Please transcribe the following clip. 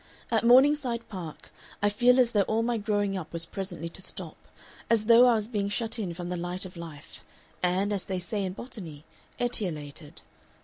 At Morningside Park I feel as though all my growing up was presently to stop, as though I was being shut in from the light of life, and, as they say in botany, etiolated.